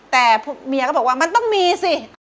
แต่พวกเมียก็บอกว่ามันต้องมีสิ